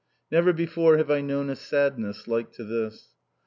Never before have I known a sadness like to this.